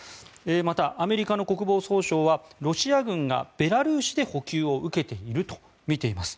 またアメリカの国防総省はロシア軍がベラルーシで補給を受けているとみています。